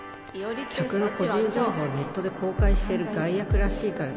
「客の個人情報をネットで公開してる害悪らしいから」。